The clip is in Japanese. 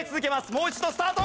もう一度スタート。